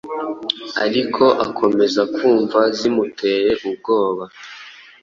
ariko akomeza kumva zimuteye ubwoba,